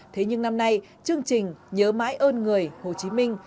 thế nhưng năm nay chương trình nhớ mãi ơn người hồ chí minh